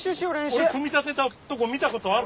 俺組み立てたとこ見たことある？